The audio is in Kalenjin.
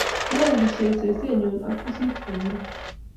Mengishe sesennyu ak pusit komie